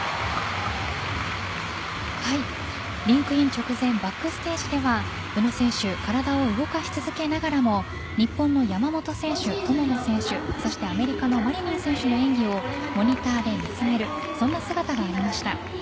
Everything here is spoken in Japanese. リンクイン直前のバックステージでは宇野選手体を動かし続けながらも日本の山本選手、友野選手アメリカのマリニン選手の演技をモニターで見つめる姿がありました。